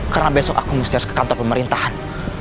karena besok aku mesti harus ke kantor pemerintahan